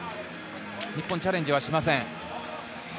日本、チャレンジはしません。